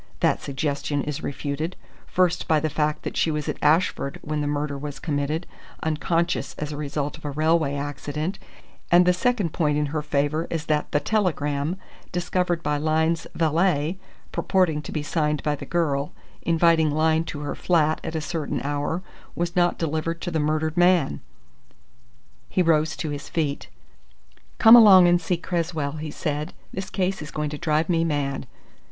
That suggestion is refuted, first by the fact that she was at Ashford when the murder was committed, unconscious as a result of a railway accident; and the second point in her favour is that the telegram discovered by Lyne's valet, purporting to be signed by the girl, inviting Lyne to her flat at a certain hour, was not delivered to the murdered man." He rose to his feet. "Come along and see Cresswell," he said. "This case is going to drive me mad!"